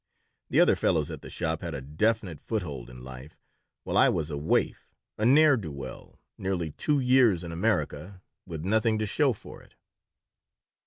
The other fellows at the shop had a definite foothold in life, while I was a waif, a ne'er do well, nearly two years in America with nothing to show for it.